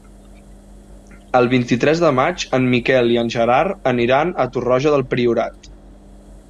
El vint-i-tres de maig en Miquel i en Gerard aniran a Torroja del Priorat.